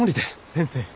先生！